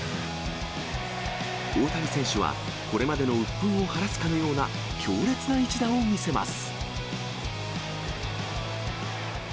大谷選手は、これまでのうっぷんを晴らすかのような強烈な一打を見せます。